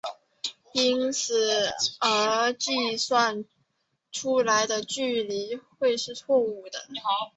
因此而计算出来的距离会是错武的。